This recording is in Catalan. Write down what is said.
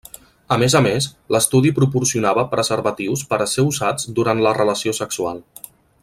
A més a més, l'estudi proporcionava preservatius per a ser usats durant la relació sexual.